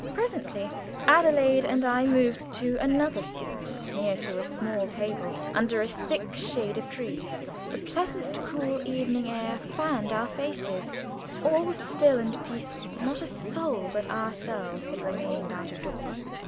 Presently Adelaide and I moved to another seat, near to a small table under a thick shade of trees. The pleasant, cool evening air fanned our faces; all was still and peaceful. Not a soul but ourselves had remained out of doors.